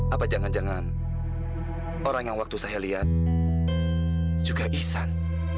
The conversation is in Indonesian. apa jangan jangan orang yang waktu saya lihat juga ihsan